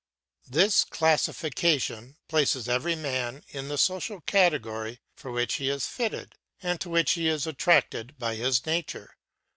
This classification places every man in the social category for which he is fitted, and to which he is attracted by his nature.